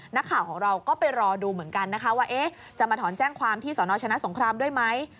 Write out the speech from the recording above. นักข่าวของเราก็ไปรอดูเหมือนกันนะคะว่าจะมาถอนแจ้งความที่สนชนะสงครามด้วยไหม